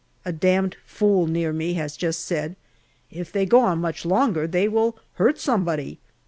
A damned fool near me has just said, " If they go on much longer they will hurt somebody."